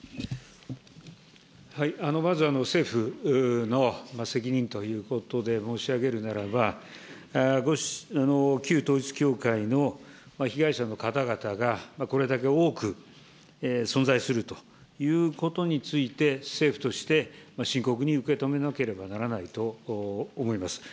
まず政府の責任ということで申し上げるならば、旧統一教会の被害者の方々がこれだけ多く存在するということについて、政府として、深刻に受け止めなければならないと思います。